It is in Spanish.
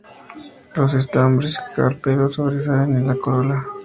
Los estambres y carpelo sobresalen a la corola.